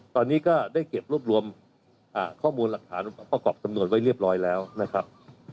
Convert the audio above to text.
ตอนนี้ก็ได้เก็บรวบรวมข้อมูลหลักฐานประกอบสำนวนไว้เรียบร้อยแล้วนะครับ